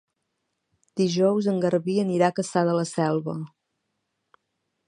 Dijous en Garbí anirà a Cassà de la Selva.